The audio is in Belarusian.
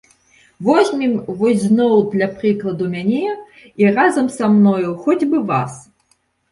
Возьмем вось зноў для прыкладу мяне і, разам са мною, хоць бы вас.